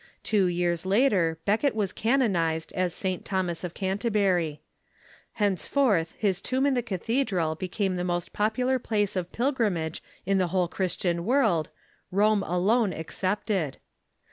Two years later Becket was canonized as St. Thomas of Canterbury. Henceforth his tomb in the cathedral became the most popu lar place of pilgrimage in the whole Christian world, Rome alone excepted.